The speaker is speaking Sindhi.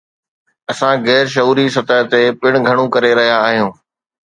اسان غير شعوري سطح تي پڻ گهڻو ڪري رهيا آهيون.